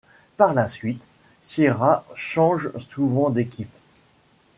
Par la suite, Sierra change souvent d'équipe.